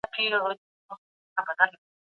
بشر باید له هرې لاري چي وي سرمایه ترلاسه کړي.